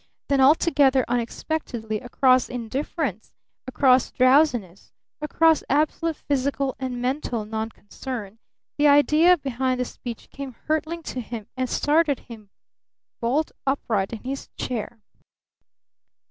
Then, altogether unexpectedly, across indifference, across drowsiness, across absolute physical and mental non concern, the idea behind the speech came hurtling to him and started him bolt upright in his chair.